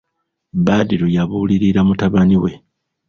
Badru yabuulirira mutabani we.